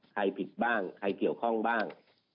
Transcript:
ผิดบ้างใครเกี่ยวข้องบ้าง